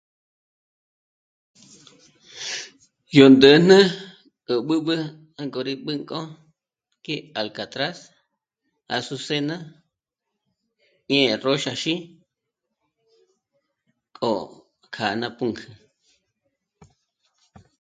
Yo ndä̂jnä à b' ǚb'ü jângo rí b' ǚnk'o ki alcatraz, azucena ñé'e róxaxi k'o kja ná pǔnk'ü